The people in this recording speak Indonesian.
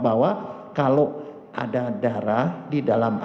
bahwa kalau ada darah di dalam air